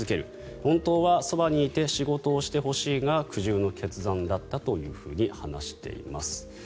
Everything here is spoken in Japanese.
本当はそばにいて仕事をしてほしいが苦渋の決断だったと話しています。